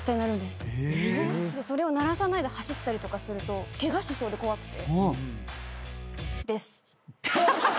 それを鳴らさないで走ったりとかするとケガしそうで怖くて。です。